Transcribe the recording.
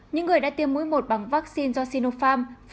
những người đã tiêm mũi một bằng vaccine do sinopharm